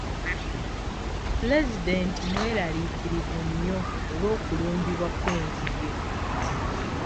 Pulezidenti mweraliikirivu nnyo olw'okulumbibwa kw'enzige.